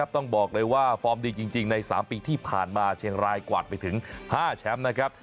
ต้องบอกเลยว่าฟอร์มดีจริงใน๓ปีที่ผ่านมาเชียงรายกวาดไปถึง๕แชมป์นะครับ